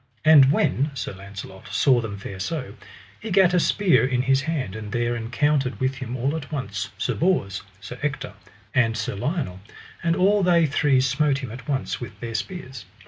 And when Sir Launcelot saw them fare so, he gat a spear in his hand; and there encountered with him all at once Sir Bors, Sir Ector, and Sir Lionel, and all they three smote him at once with their spears.